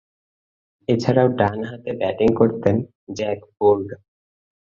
এছাড়াও, ডানহাতে ব্যাটিং করতেন জ্যাক বোর্ড।